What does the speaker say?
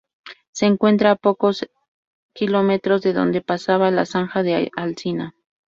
Se encuentra a pocos km de donde pasaba la Zanja de Alsina.